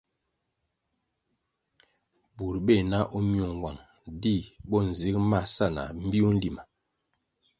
Bur beh na o myung nwang, di bo nzig ma sa na mbpiu nlima.